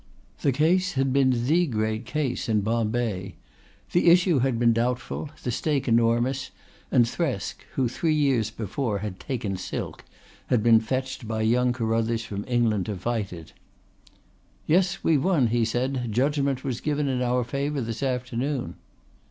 The case had been the great case of the year in Bombay. The issue had been doubtful, the stake enormous and Thresk, who three years before had taken silk, had been fetched by young Carruthers from England to fight it. "Yes, we've won," he said. "Judgment was given in our favor this afternoon."